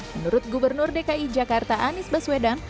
menurut gubernur dki jakarta anies baswedan